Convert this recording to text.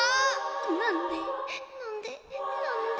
なんでなんでなんで。